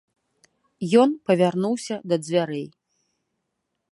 Ён павярнуўся да дзвярэй.